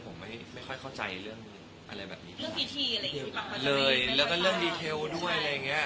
เวลางานค่อนข้างมีรูปแบบเทียมกับเค้า